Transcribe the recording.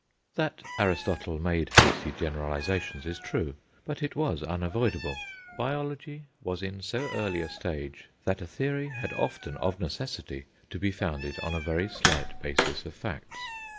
That Aristotle made hasty generalizations is true; but it was unavoidable. Biology was in so early a stage that a theory had often of necessity to be founded on a very slight basis of facts.